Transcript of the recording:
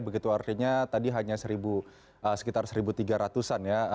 begitu artinya tadi hanya sekitar satu tiga ratus an ya